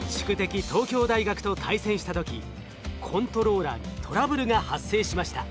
東京大学と対戦した時コントローラーにトラブルが発生しました。